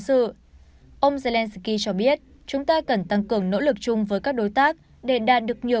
sự ông zelensky cho biết chúng ta cần tăng cường nỗ lực chung với các đối tác để đạt được nhiều